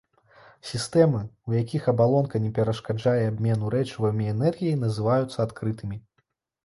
Сістэмы, у якіх абалонка не перашкаджае абмену рэчывам і энергіяй, называюцца адкрытымі.